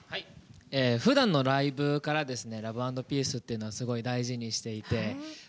ふだんのライブから「ＬＯＶＥ＆ＰＥＡＣＥ」というのはすごい大事にしていて。